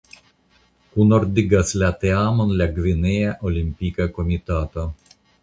Kunordigas la teamon la Gvinea Olimpika Komitato.